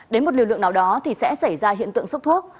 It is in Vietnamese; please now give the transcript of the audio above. đến một liều lượng nào đó thì sẽ xảy ra hiện tượng sốc thuốc